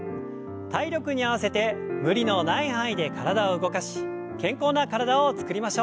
体力に合わせて無理のない範囲で体を動かし健康な体をつくりましょう。